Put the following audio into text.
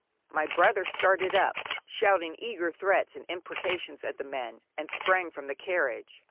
My brother started up, shouting eager threats and imprecations to the men, and sprang from the carriage.